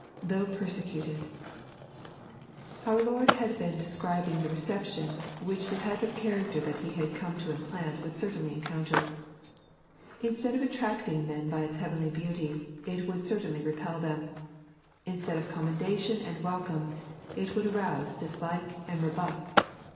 Though Feriecuied. Our Lord had been describing the reception which the type of character that He had come to implant would certainly encounter. Instead of attracting men by its heavenly beauty, it would certainly repel them. Instead of oommendation and welcome, it would arouse dislike and rebuff.